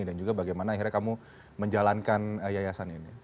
dan juga bagaimana akhirnya kamu menjalankan yayasan ini